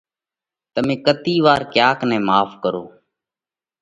تمي ڪتي وار ڪياڪ نئہ ماڦ ڪريوه؟